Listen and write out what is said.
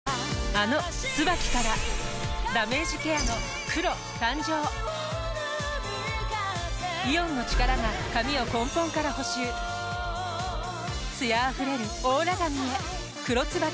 あの「ＴＳＵＢＡＫＩ」からダメージケアの黒誕生イオンの力が髪を根本から補修艶あふれるオーラ髪へ「黒ＴＳＵＢＡＫＩ」